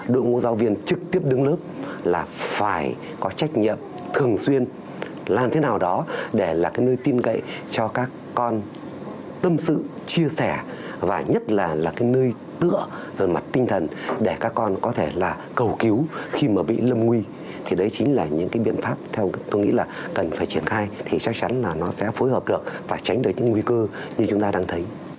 đội ngũ giáo viên trực tiếp đứng lớp là phải có trách nhiệm thường xuyên làm thế nào đó để là cái nơi tin gậy cho các con tâm sự chia sẻ và nhất là là cái nơi tựa mặt tinh thần để các con có thể là cầu cứu khi mà bị lâm nguy thì đấy chính là những cái biện pháp theo tôi nghĩ là cần phải triển khai thì chắc chắn là nó sẽ phối hợp được và tránh được những nguy cơ như chúng ta đang thấy